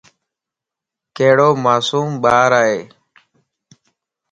ڪھڙو معصوم ٻارائي